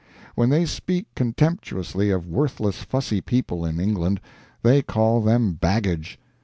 When they speak contemptuously of worthless, fussy people in England they call them baggage.